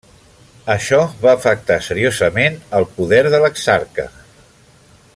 Això va afectar seriosament el poder de l'exarca.